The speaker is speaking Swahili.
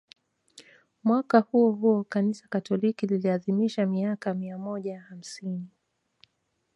Mwaka huo huo Kanisa Katoliki liliadhimisha miaka mia moja hamsini